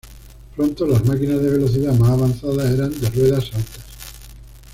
Pronto las máquinas de velocidad más avanzadas eran de ruedas altas.